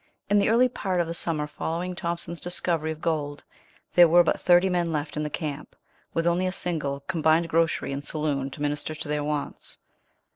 In the early part of the summer following Thompson's discovery of gold there were but thirty men left in the camp, with only a single combined grocery and saloon to minister to their wants.